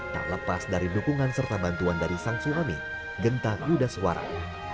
tak lepas dari dukungan serta bantuan dari sang suami genta yudas warang